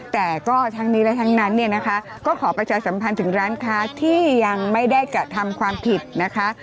แต่ก็ทั้งนี้และทั้งนั้นเนี่ยนะคะก็ขอประชาสัมพันธ์ถึงร้านค้าที่ยังไม่ได้กระทำความผิดนะคะ